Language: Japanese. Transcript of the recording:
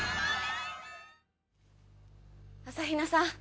朝比奈さん